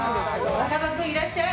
赤羽君いらっしゃい！